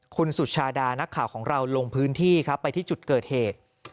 คุณสุชาดานักข่าวของเราลงพื้นที่ครับไปที่จุดเกิดเหตุ